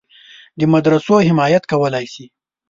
د مدرسو حمایت کولای شي.